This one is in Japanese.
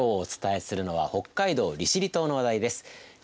きょうお伝えするのは北海道利尻島の話題です。